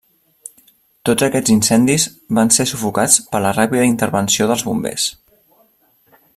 Tots aquests incendis van ser sufocats per la ràpida intervenció dels bombers.